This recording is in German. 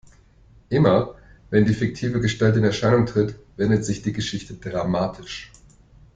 Immer wenn die fiktive Gestalt in Erscheinung tritt, wendet sich die Geschichte dramatisch.